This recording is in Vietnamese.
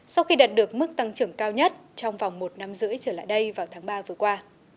sau khi đạt được mức tăng trưởng cao nhất trong vòng một năm rưỡi trở lại đây vào tháng ba vừa qua